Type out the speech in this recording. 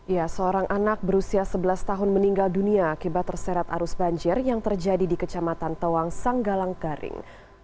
ya seorang anak berusia sebelas tahun meninggal dunia akibat terseret arus banjir yang terjadi di kecamatan tawang sanggalang garing